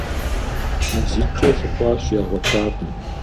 МазитӀкӀэ лъыхъуащ, ягъуэтакъым.